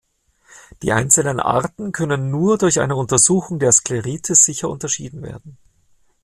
Die einzelnen Arten können nur durch eine Untersuchung der Sklerite sicher unterschieden werden.